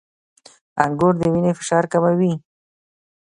• انګور د وینې فشار کموي.